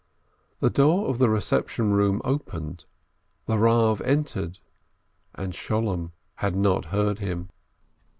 The door of the reception room opened, the Rav entered, and Sholem had not heard him.